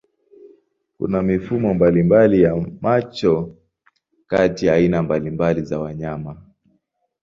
Kuna mifumo mbalimbali ya macho kati ya aina mbalimbali za wanyama.